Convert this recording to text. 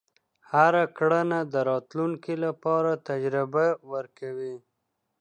هره کړنه د راتلونکي لپاره تجربه ورکوي.